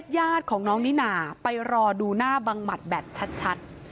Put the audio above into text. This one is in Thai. ญาติของน้องนิน่าไปรอดูหน้าบังหมัดแบบชัด